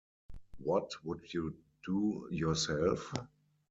What would you do yourself?